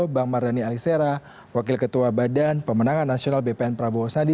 bang mardhani alisera wakil ketua badan pemenangan nasional bpn prabowo sadi